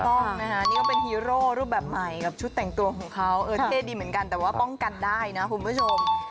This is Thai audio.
ต้องนะฮะนี่ก็เป็นฮีโร่รูปแบบใหม่กับชุดแต่งตัวของเขาเออเท่ดีเหมือนกันแต่ว่าป้องกันได้นะคุณผู้ชม